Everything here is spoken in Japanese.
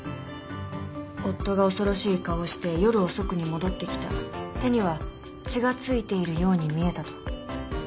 「夫が恐ろしい顔をして夜遅くに戻ってきた」「手には血が付いているように見えた」と。